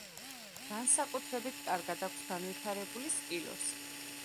განსაკუთრებით კარგად აქვს განვითარებული სპილოს.